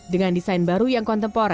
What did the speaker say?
dengan desain baru yang kontempor